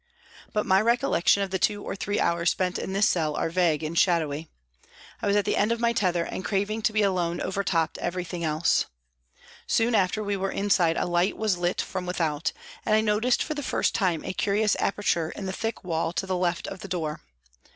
But my recollection of the two or three hours spent in this cell are vague and shadowy. I was at the end of my tether, and the craving to be alone overtopped everything else. Soon after we were inside a light was lit from without, and I noticed for the first time a curious aperture in the thick wall to the left of the door.